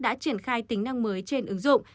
đã triển khai tính năng mới trên ứng dụng